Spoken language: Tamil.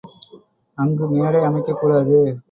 அங்கு, மேடை அமைக்கக் கூடாது.